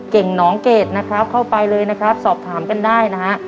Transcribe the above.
เก่งหนองเกดนะครับเข้าไปเลยนะครับสอบถามกันได้นะฮะ